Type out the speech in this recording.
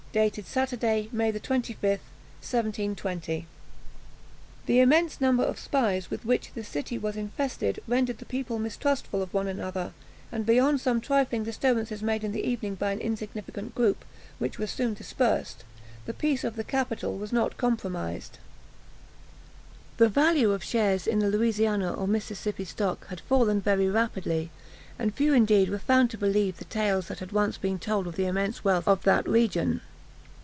Dated, Saturday, May 25th, 1720." The immense number of spies with which the city was infested rendered the people mistrustful of one another, and beyond some trifling disturbances made in the evening by an insignificant group, which was soon dispersed, the peace of the capital was not compromised. The value of shares in the Louisiana, or Mississippi stock, had fallen very rapidly, and few indeed were found to believe the tales that had once been told of the immense wealth of that region.